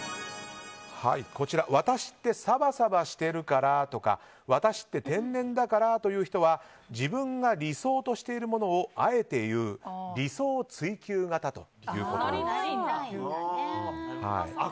私ってサバサバしてるからとか私って天然だからと言う人は自分が理想としているものをあえて言う理想追求型ということなんです。